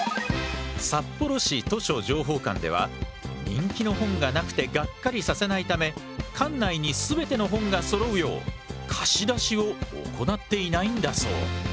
人気の本がなくてがっかりさせないため館内にすべての本がそろうよう貸し出しを行っていないんだそう。